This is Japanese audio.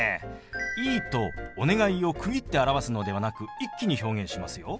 「いい」と「お願い」を区切って表すのではなく一気に表現しますよ。